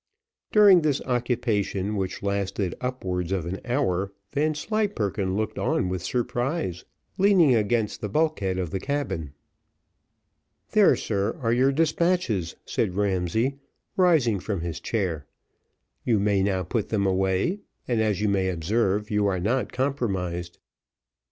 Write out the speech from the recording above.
During this occupation, which lasted upwards of an hour, Vanslyperken looked on with surprise, leaning against the bulk head of the cabin. "There, sir, are your despatches," said Ramsay, rising from his chair: "you may now put them away; and, as you may observe, you are not compromised."